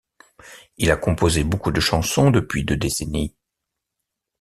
Il a composé beaucoup de chansons depuis deux décennies.